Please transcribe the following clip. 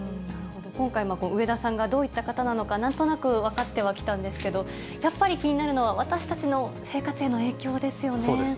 今回、植田さんがどういった方なのか、なんとなく分かってはきたんですけど、やっぱり気になるのは、私たちの生活への影響ですよね。